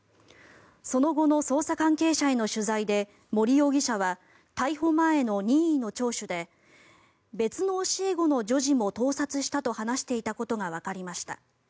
その後の捜査関係者への取材で森容疑者は逮捕前の任意の聴取で別の教え子の女児も盗撮したと話していたことがわかりました。